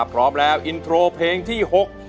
พร้อมแล้วอินโทรเพลงที่๖